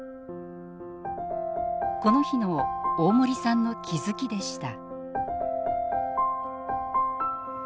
この日の大森さんの気付きでした。